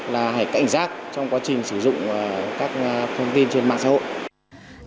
là hãy cảnh giác trong quá trình sử dụng các thông tin trên mạng xã hội